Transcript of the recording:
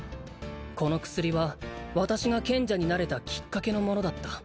「この薬は私が賢者になれたきっかけの物だった」